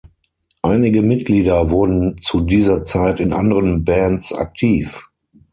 Einige Mitglieder wurden zu dieser Zeit in anderen Bands aktiv.